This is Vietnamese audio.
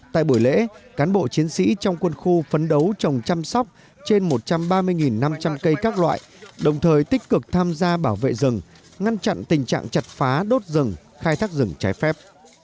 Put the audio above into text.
tại buổi lễ cán bộ chiến sĩ trong quân khu phấn đấu trồng chăm sóc trên một trăm ba mươi năm trăm linh cây các loại đồng thời tích cực tham gia bảo vệ rừng ngăn chặn tình trạng chặt phá đốt rừng khai thác rừng trái phép